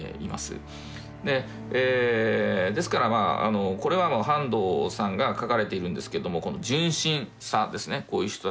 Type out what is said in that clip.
ですからまあこれは半藤さんが書かれているんですけどもこの純真さですねこういう人たちの。